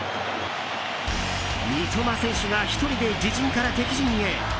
三笘選手が１人で自陣から敵陣へ。